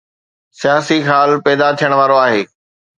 سياسي خال پيدا ٿيڻ وارو آهي.